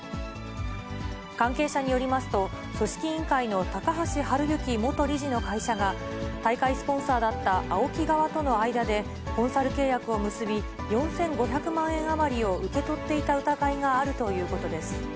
関係者によりますと、組織委員会の高橋治之元理事の会社が、大会スポンサーだったＡＯＫＩ側との間でコンサル契約を結び、４５００万円余りを受け取っていた疑いがあるということです。